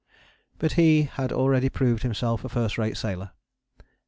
But he had already proved himself a first rate sailor.